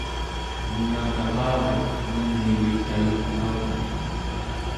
nunataqavet nemni uitayugngauten